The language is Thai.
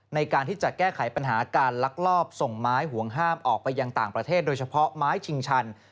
ในการที่จะแก้ไขปัญหาการลักลอบส่งไม้ห่วงห้ามออกไปยังต่างประเทศโดยเฉพาะไม้ชิงชัน